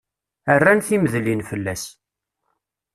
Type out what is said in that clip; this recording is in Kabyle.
Rran timedlin fell-as.